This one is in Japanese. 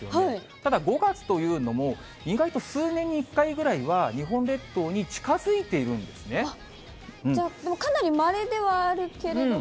ただ、５月というのも意外と数年に一回ぐらいは日本列島に近づいているじゃあ、かなりまれではあるんですけれども。